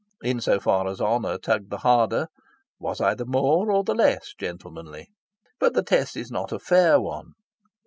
In so far as honour tugged the harder, was I the more or the less gentlemanly? But the test is not a fair one.